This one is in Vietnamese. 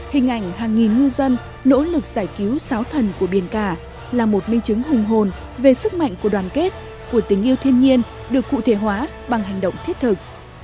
hình ảnh hàng nghìn ngư dân nỗ lực giải cứu sáo thần của biển cả là một minh chứng hùng hồn về sức mạnh của đoàn kết của tình yêu thiên nhiên được cụ thể hóa bằng hành động thiết thực